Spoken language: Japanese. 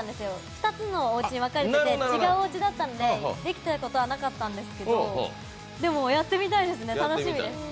２つのおうちに分かれてて違うおうちだったんでできたことはなかったんですけどでもやってみたいですね。